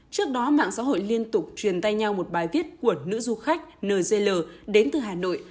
trước đó mạng xã hội liên tục truyền tay nhau một bài viết của nữ du khách nzl đến từ hà nội